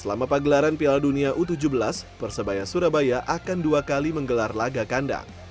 selama pagelaran piala dunia u tujuh belas persebaya surabaya akan dua kali menggelar laga kandang